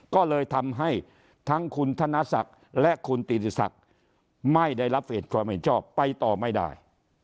ก็เลยทำให้ทั้งคุณธนศักดิ์และคุณติศักดิ์ไม่ได้รับเหตุความเห็นชอบไปต่อไม่ได้